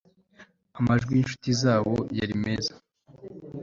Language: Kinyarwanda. amajwi yinshuti zabo yari meza